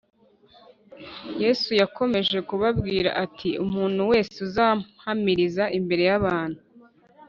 yesu yakomeje kubabwira ati, “umuntu wese uzampamiriza imbere y’abantu,